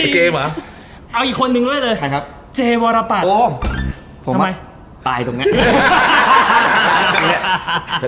เจ๊มาเอาอีกคนหนึ่งด้วยเลยใครครับเจ๊วรปัดโอ้ทำไมตายตรงเนี้ย